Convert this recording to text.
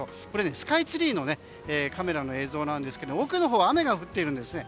スカイツリーのカメラの映像ですけど奥のほう雨が降っているんですね。